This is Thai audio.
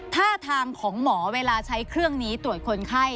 ท่าทางของหมอเวลาใช้เครื่องนี้ตรวจคนไข้